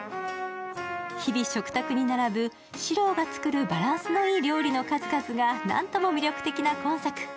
日々食卓に並ぶ史朗の作るバランスのいい料理の数々が何とも魅力的な今作。